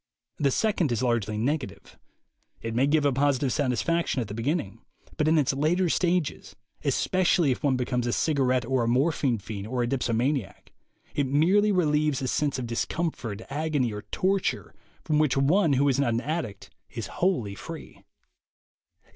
The second is largely negative; it may give a positive satisfaction at the beginning, but in its later stages, especially if one becomes a cigarette or a morphine fiend or a dipsomaniac, it merely relieves a sense of discomfort, agony, or torture, from which one who is not an addict is wholly free.